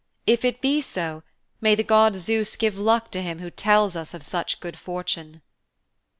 If it be so, may the god Zeus give luck to him who tells us of such good fortune.'